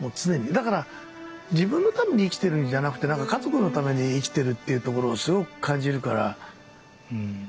だから自分のために生きてるんじゃなくてなんか家族のために生きてるっていうところをすごく感じるからうん。